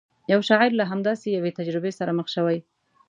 یو شاعر له همداسې یوې تجربې سره مخ شوی.